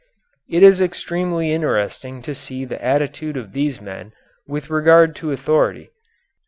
It is extremely interesting to see the attitude of these men with regard to authority.